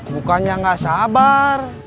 bukannya gak sabar